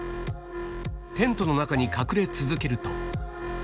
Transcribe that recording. テントの中に隠れ続けると。